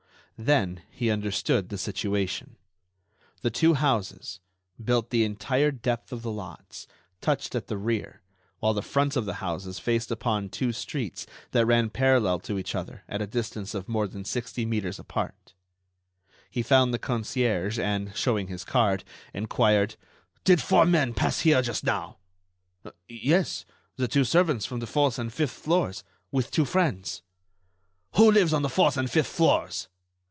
Then he understood the situation: the two houses, built the entire depth of the lots, touched at the rear, while the fronts of the houses faced upon two streets that ran parallel to each other at a distance of more than sixty metres apart. He found the concierge and, showing his card, enquired: "Did four men pass here just now?" "Yes; the two servants from the fourth and fifth floors, with two friends." "Who lives on the fourth and fifth floors?"